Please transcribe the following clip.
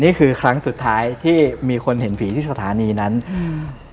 นี่คือครั้งสุดท้ายที่มีคนเห็นผีที่สถานีนั้นอืม